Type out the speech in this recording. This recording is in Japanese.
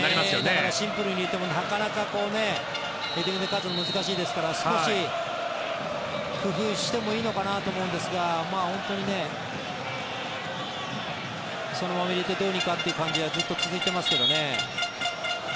だからシンプルに入れてもヘディングで勝つのは難しいですから少し工夫してもいいのかなと思うんですが本当に、そのまま入れてどうにかという感じがずっと続いてますけどね。